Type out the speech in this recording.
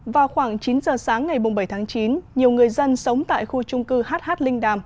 vào khoảng chín giờ sáng ngày bảy tháng chín nhiều người dân sống tại khu trung cư hh linh đàm